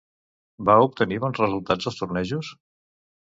Va obtenir bons resultats als tornejos?